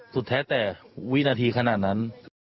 สุดแท้แต่วินาทีขณะนั้น